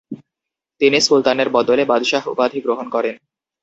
তিনি সুলতানের বদলে বাদশাহ উপাধি গ্রহণ করেন।